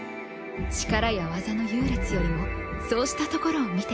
力や技の優劣よりもそうしたところを見てきたの。